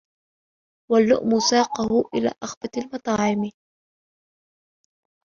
وَاللُّؤْمَ سَاقَهُ إلَى أَخْبَثِ الْمَطَاعِمِ